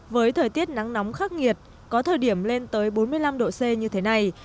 với thời tiết nắng nóng khắc nghiệt có thời điểm lên tới bốn mươi năm độ c như thế này